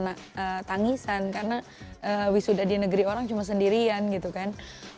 karena tangisan karena wisuda di negeri orang cuma sendirian gitu kan